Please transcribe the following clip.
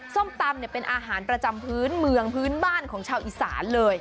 ส้มตำเป็นอาหารประจำพื้นเมืองพื้นบ้านของชาวอีสานเลย